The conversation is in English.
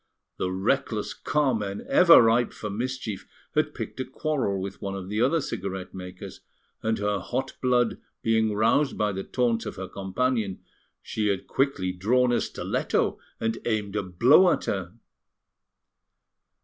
The reckless Carmen, ever ripe for mischief, had picked a quarrel with one of the other cigarette makers, and her hot blood being roused by the taunts of her companion, she had quickly drawn a stiletto, and aimed a blow at her.